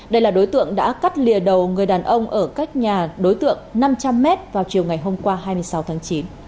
đây là đối tượng đã cắt lìa đầu người đàn ông ở cách nhà đối tượng năm trăm linh m vào chiều ngày hôm qua hai mươi sáu tháng chín